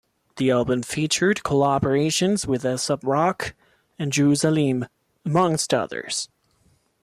The album featured collaborations with Aesop Rock and Juice Aleem, amongst others.